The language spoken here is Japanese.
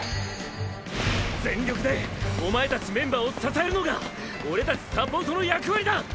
全力でおまえたちメンバーを支えるのがオレたちサポートの役割だ！！